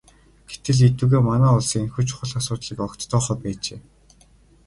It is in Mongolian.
Гэтэл эдүгээ манай улс энэхүү чухал асуудлыг огт тоохоо байжээ.